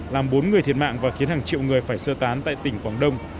làm bốn người thiệt mạng và khiến hàng triệu người phải sơ tán tại tỉnh quảng đông